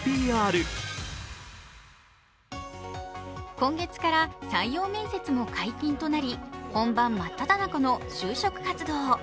今月から採用面接も解禁となり本番真っただ中の就職活動。